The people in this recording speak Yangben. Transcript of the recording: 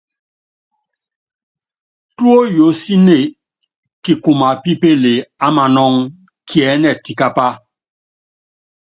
Túóyoósíne, kikuma pípéle á manúŋɔ́, kiɛ́nɛ tikápa.